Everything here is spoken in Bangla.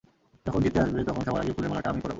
যখন জিতে আসবে তখন সবার আগে ফুলের মালাটা আমিই পরাবো।